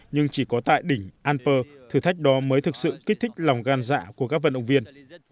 nhưng chỉ có tại đỉnh alper thử thách đó mới thực sự kích thích lòng gan dạ của các vận động viên